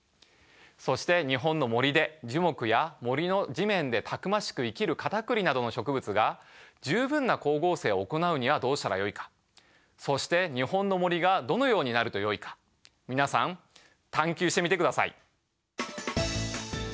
そして日本の森で樹木や森の地面でたくましく生きるカタクリなどの植物が十分な光合成を行うにはどうしたらよいかそして皆さん探究してみてください。